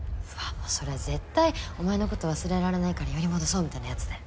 もうそれ絶対「お前のこと忘れられないからヨリ戻そう」みたいなやつだよ